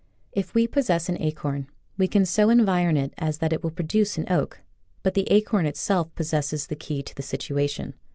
If we possess an acorn we can so environ it as that it will produce an oak, but the acorn itself possesses the key to the situation.